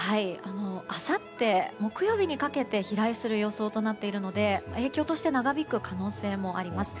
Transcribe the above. あさって木曜日にかけて飛来する予想となっているので影響として長引く可能性もあります。